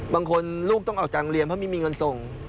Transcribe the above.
ลูกต้องออกจากโรงเรียนเพราะไม่มีเงินส่ง